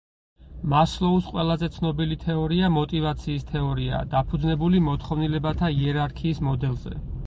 მასლოუს ყველაზე ცნობილი თეორია მოტივაციის თეორიაა, დაფუძნებული მოთხოვნილებათა იერარქიის მოდელზე.